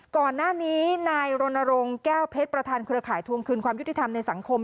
ก่อนหน้านี้นายรณรงค์แก้วเพชรประธานเครือข่ายทวงคืนความยุติธรรมในสังคม